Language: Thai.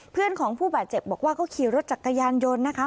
เพื่อนของผู้บาดเจ็บบอกว่าเขาขี่รถจักรยานยนต์นะคะ